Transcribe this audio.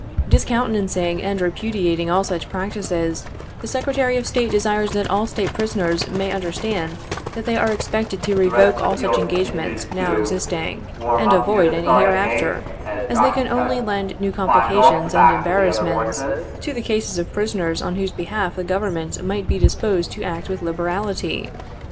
Discountenancing and repudiating all such practices, the Secretary of State desires that all the State prisoners may understand, that they are expected to revoke all such engagements now existing, and avoid any hereafter, as they can only lend new complications and embarrassments to the cases of prisoners on whose behalf the Govern ment might be disposed to act with liberality.